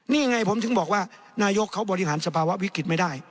นี่ไงผมถึงบอกว่านายกเขาบริหารสภาวะวิกฤตไม่ได้